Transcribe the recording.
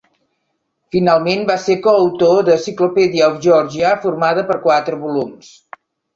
Finalment, va ser co-autor de "Cyclopedia of Georgia", formada per quatre volums.